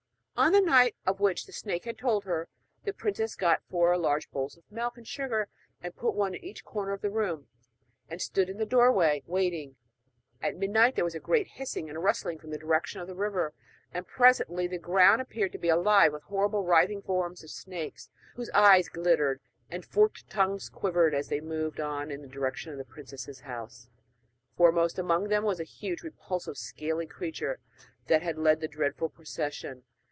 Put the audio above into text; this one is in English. On the night of which the snake had told her, the princess got four large bowls of milk and sugar, and put one in each corner of the room, and stood in the doorway waiting. At midnight there was a great hissing and rustling from the direction of the river, and presently the ground appeared to be alive with horrible writhing forms of snakes, whose eyes glittered and forked tongues quivered as they moved on in the direction of the princess's house. Foremost among them was a huge, repulsive scaly creature that led the dreadful procession.